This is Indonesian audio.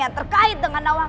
yang terkait dengan awam